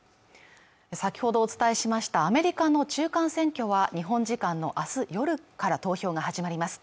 先ほどお伝えしましたアメリカの中間選挙は日本時間の明日夜から投票が始まります